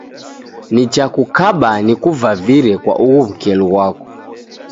Nichakukaba nikuvavire kwa ughu w'ukelu ghwako